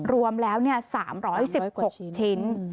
รวมแล้ว๓๑๖ชิ้น